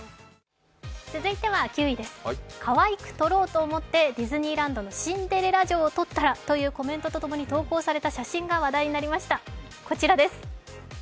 続いては９位です、可愛く撮ろうと思ってディズニーランドのシンデレラ城を撮ったらと投稿された写真が話題になりました、こちらです。